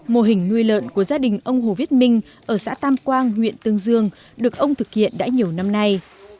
mô hình nuôi lợn của gia đình ông hồ viết minh ở xã tam quang huyện tương dương được ông thực hiện đã nhiều năm nay